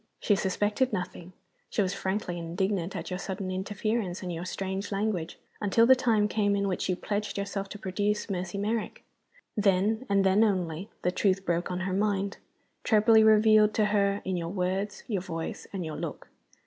She suspected nothing she was frankly indignant at your sudden interference and your strange language until the time came in which you pledged yourself to produce Mercy Merrick. Then (and then only) the truth broke on her mind, trebly revealed to her in your words, your voice, and your look.